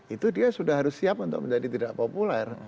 itu dia sudah harus siap untuk menjadi tidak populer